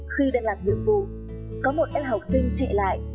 khi đang làm nhiệm vụ có một em học sinh trị lại